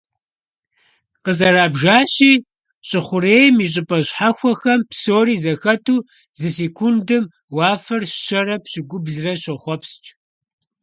Къызэрабжащи, щӏы хъурейм и щӀыпӀэ щхьэхуэхэм псори зэхэту зы секундым уафэр щэрэ пщӏыукӏублырэ щохъуэпскӀ.